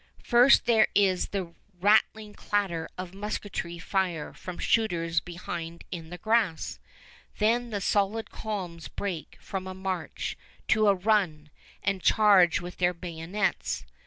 First there is the rattling clatter of musketry fire from shooters behind in the grass. Then the solid columns break from a march to a run, and charge with their bayonets.